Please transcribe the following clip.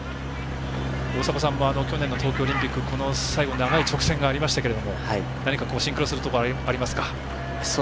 大迫さんも去年の東京オリンピック最後、長い直線がありましたが何かシンクロするところはありますか？